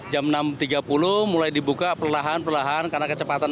jam enam tiga puluh mulai dibuka perlahan perlahan karena kecepatan